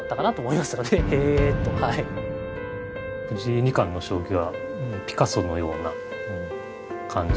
藤井二冠の将棋はピカソのような感じ。